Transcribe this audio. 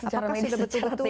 secara medis secara teori